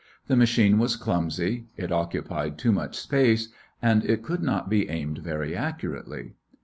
The machine was clumsy; it occupied too much space, and it could not be aimed very accurately.